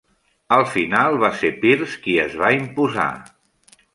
Al final va ser Pearce qui es va imposar.